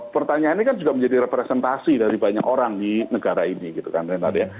pertanyaan ini kan juga menjadi representasi dari banyak orang di negara ini gitu kan renard ya